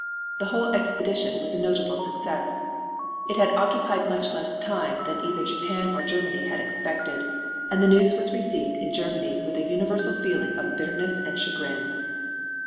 The whole expedition was a notable success. It had occupied much less time than either Japan or Germany had expected, and the news was received in Germany with a universal feeling of bitterness and chagrin.